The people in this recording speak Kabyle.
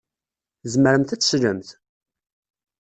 Tzemremt ad teslemt?